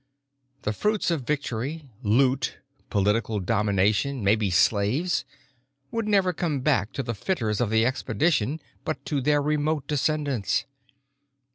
The fruits of victory—loot, political domination, maybe slaves—would never come back to the fitters of the expedition but to their remote descendants.